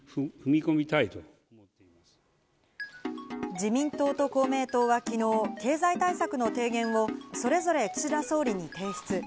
自民党と公明党はきのう、経済対策の提言をそれぞれ岸田総理に提出。